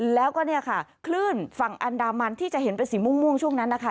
แล้วก็เนี่ยค่ะคลื่นฝั่งอันดามันที่จะเห็นเป็นสีม่วงช่วงนั้นนะคะ